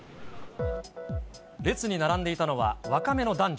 列に並んでいたのは、若めの男女。